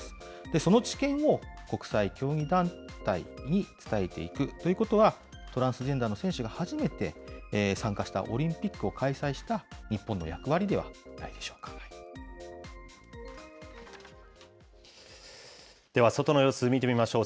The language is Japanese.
その知見を国際競技団体に伝えていくということは、トランスジェンダーの選手が初めて参加したオリンピックを開催しでは、外の様子、見てみましょう。